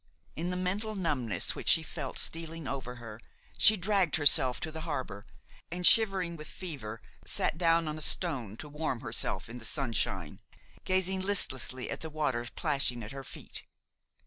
In the mental numbness which she felt stealing over her, she dragged herself to the harbor, and, shivering with fever, sat down on a stone to warm herself in the sunshine, gazing listlessly at the water plashing at her feet.